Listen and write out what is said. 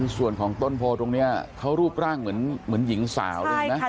ส่วนของต้นโพค่ะตรงเนี้ยเขารูปร่างเหมือนเหมือนหญิงสาวเลยนะใช่ค่ะ